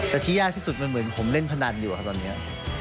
แต่ที่ยากที่สุดมันเหมือนผมเล่นพนันอยู่ครับตอนนี้